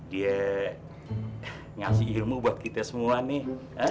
dia ngasih ilmu buat kita semua nih